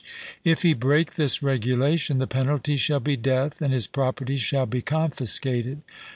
If he break this regulation, the penalty shall be death, and his property shall be confiscated.